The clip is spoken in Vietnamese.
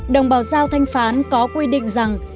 đồng bào giao thanh phán có quy định rằng